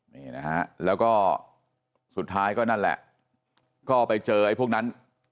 นี่นะฮะแล้วก็สุดท้ายก็นั่นแหละก็ไปเจอไอ้พวกนั้น